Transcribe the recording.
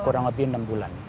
kurang lebih enam bulan